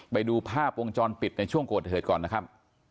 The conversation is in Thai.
ไปดูภาพวงจรปิดในช่วงเกิดเหตุก่อนนะครับ